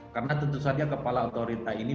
karena tentu saja kepala otorita ini